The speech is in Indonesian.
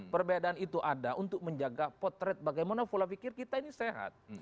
perbedaan itu ada untuk menjaga potret bagaimana pola pikir kita ini sehat